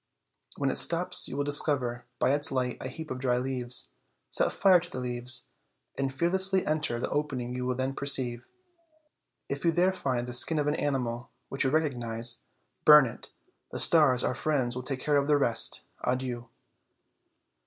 When it stops you will discover, by its light, a heap of dry leaves. Set fire to the leaves, and fearlessly enter the opening you will then perceive; if you there find the skin of an animal which you recognize, burn it; the stars, our friends, will take care of the rest. Adieu."